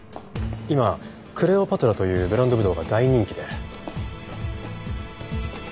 今クレオパトラというブランドぶどうが大人気で。